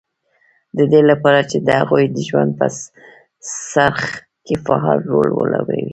د دې لپاره چې د هغوی د ژوند په څرخ کې فعال رول ولوبوي